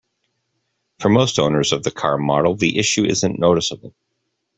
For most owners of the car model, the issue isn't noticeable.